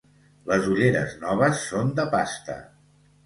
Les ulleres noves són de pasta.